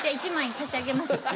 １枚差し上げます。